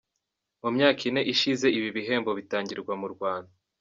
Mu myaka ine ishize ibi bihembo bitangirwa mu Rwanda